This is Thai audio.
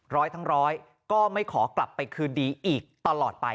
ร้อยทั้งร้อยก็ไม่ขอกลับไปคืนดีอีกตลอดไป